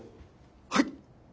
はい。